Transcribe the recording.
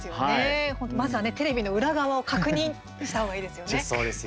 本当まずはテレビの裏側を確認したほうがいいですよね。